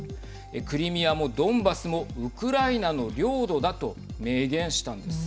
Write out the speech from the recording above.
クリミアもドンバスもウクライナの領土だと明言したんです。